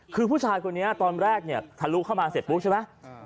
คือผู้ชายคนนี้ตอนแรกเนี่ยทะลุเข้ามาเสร็จปุ๊บใช่ไหม